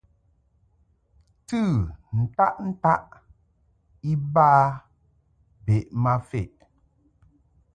Tɨ ntaʼ ntaʼ iba bə ma feʼ.